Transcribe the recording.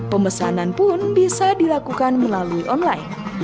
pemesanan pun bisa dilakukan melalui online